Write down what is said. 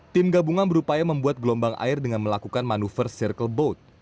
tim gabungan berupaya membuat gelombang air dengan melakukan manuver circle boat